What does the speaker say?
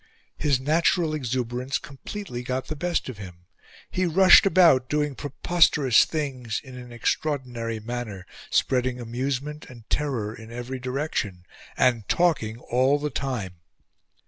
His natural exuberance completely got the best of him; he rushed about doing preposterous things in an extraordinary manner, spreading amusement and terror in every direction, and talking all the time.